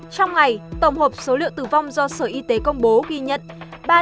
trong ngày tổng hợp số liệu tử vong do sở y tế công bố ghi nhận